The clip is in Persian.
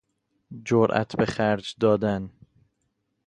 جرئت به خرج دادن